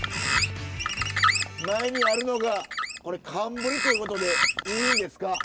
前にあるのがこれ寒ブリということでいいんですか？